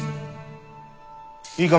いいか？